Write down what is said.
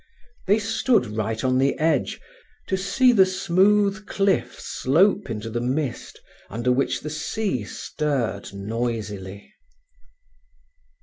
They stood right on the edge, to see the smooth cliff slope into the mist, under which the sea stirred noisily.